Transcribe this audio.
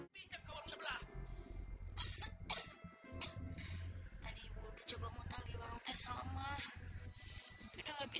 pintep ke warung sebelah hadid mulher